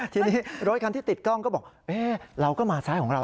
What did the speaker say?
ทีนี้รถคันที่ติดกล้องก็บอกเราก็มาซ้ายของเรา